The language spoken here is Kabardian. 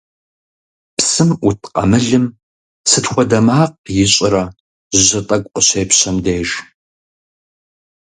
Псым Ӏут къамылым сыт хуэдэ макъ ищӀрэ жьы тӀэкӀу къыщепщэм деж?